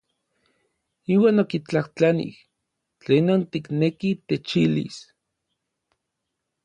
Iuan okitlajtlanij: ¿Tlenon tikneki techilis?